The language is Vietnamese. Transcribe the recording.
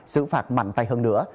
sử phạt mạnh tay hơn nữa